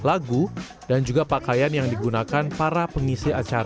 lagu dan juga pakaian yang digunakan para orang orthodox dull'anari soir